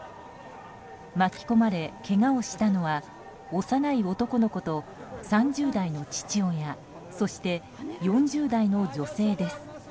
巻き込まれ、けがをしたのは幼い男の子と３０代の父親そして４０代の女性です。